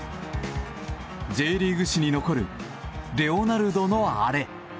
Ｊリーグ史に残るレオナルドのあれ。